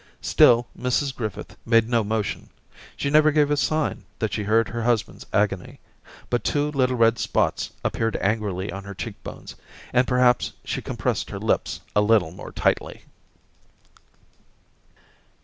Still Mrs Griffith made no motion, she never gave a sign that she heard her husband's agony ; but two little red sjSots appeared angrily on her cheek bones, and perhaps she com pressed her lips a little more tightly.